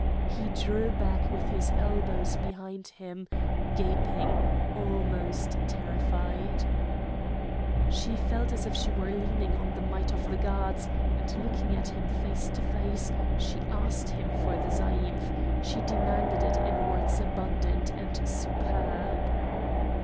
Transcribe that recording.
He drew back with his elbows behind him, gaping, almost terrified. She felt as if she were leaning on the might of the gods; and looking at him face to face she asked him for the zaïmph; she demanded it in words abundant and superb.